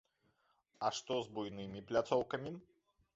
А што з буйнымі пляцоўкамі?